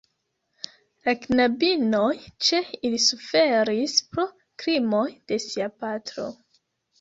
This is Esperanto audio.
La knabinoj ĉe ili suferis pro krimoj de sia patro.